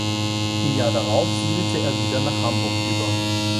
Im Jahr darauf siedelte er wieder nach Hamburg über.